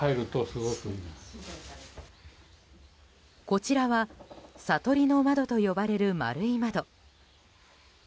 こちらは、悟りの窓と呼ばれる丸い窓。